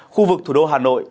khu vực thủ đô hà nội